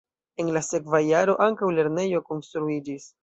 En la sekva jaro ankaŭ lernejo konstruiĝis.